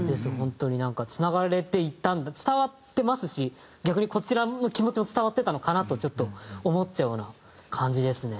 つながれていたんだ伝わってますし逆にこちらの気持ちも伝わってたのかなとちょっと思っちゃうような感じですね。